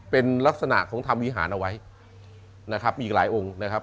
เป็นลักษณะของทำวิหารเอาไว้นะครับมีอีกหลายองค์นะครับ